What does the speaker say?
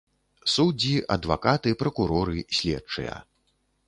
Суддзі, адвакаты, пракуроры, следчыя.